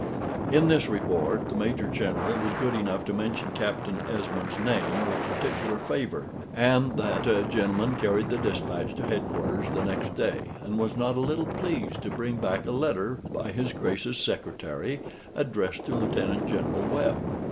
In this report the Major General was good enough to mention Captain Esmond's name with particular favor; and that gentleman carried the despatch to head quarters the next day, and was not a little pleased to bring back a letter by his Grace's secretary, addressed to Lieutenant General Webb.